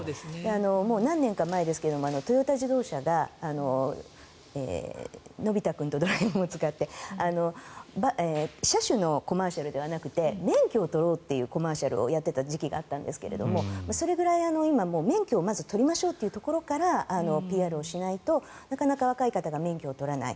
もう何年か前ですけどトヨタ自動車がのび太くんとドラえもんを使って車種のコマーシャルではなくて免許を取ろうというコマーシャルをやっていた時期があったんですがそれくらい今、免許を取りましょうというところからＰＲをしないとなかなか若い方が免許を取らない。